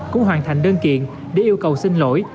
cũng hoàn thành đơn kiện để yêu cầu xin lỗi